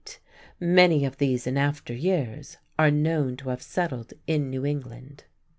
Many of these in after years are known to have settled in New England.